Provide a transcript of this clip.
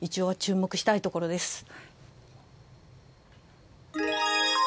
注目したいところです。